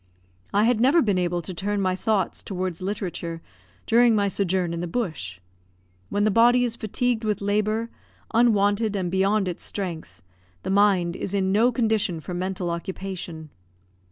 I had never been able to turn my thoughts towards literature during my sojourn in the bush. When the body is fatigued with labour, unwonted and beyond its strength, the mind is in no condition for mental occupation.